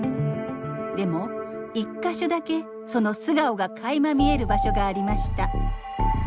でも一か所だけその素顔がかいま見える場所がありました。